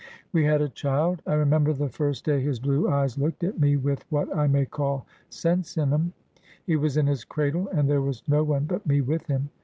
"We had a child. I remember the first day his blue eyes looked at me with what I may call sense in 'em. He was in his cradle, and there was no one but me with him.